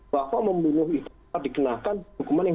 bahwa membunuh itu dikenakan hukuman yang